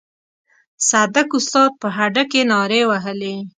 صدک استاد په هډه کې نارې وهلې.